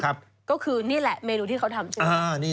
ก็คนนี้แหละเมนูที่เขาทำจริง